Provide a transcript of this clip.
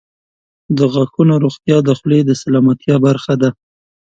• د غاښونو روغتیا د خولې د سلامتیا برخه ده.